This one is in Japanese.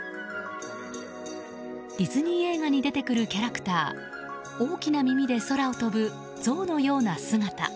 ディズニー映画に出てくるキャラクター大きな耳で空を飛ぶゾウのような姿。